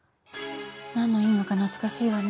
何の因果か懐かしいわね。